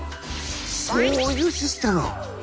そういうシステム。